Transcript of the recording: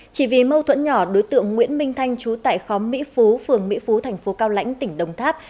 chỉ vì mâu thuẫn nhỏ đối tượng nguyễn minh thanh trú tại khóm mỹ phú phường mỹ phú thành phố cao lãnh tỉnh đồng tháp